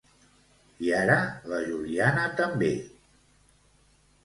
I ara la Juliana també.